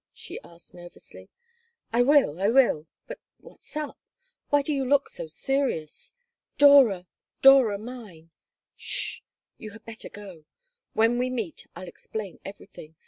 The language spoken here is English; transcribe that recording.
she asked, nervously "I will, I will. But what's up? Why do you look so serious? Dora! Dora mine!" "'S sh! You had better go. When we meet I'll explain everything.